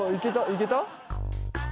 いけた？